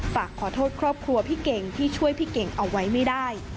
ฝากขอโทษครอบครัวพี่เก่งที่ช่วยพี่เก่งเอาไว้ไม่ได้